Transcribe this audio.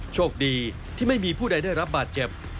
โชคดีที่ไม่มีผู้ใดได้รับบาดเจ็บ